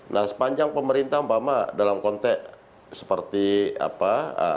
nah sepanjang pemerintah pak ma dalam konteks seperti apa